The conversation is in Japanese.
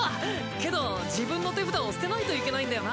けど自分の手札を捨てないといけないんだよな。